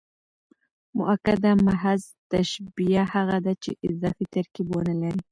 مؤکده محض تشبیه هغه ده، چي اضافي ترکیب و نه لري.